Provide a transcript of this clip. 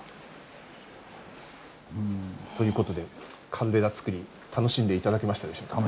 という事でカルデラつくり楽しんで頂けましたでしょうか？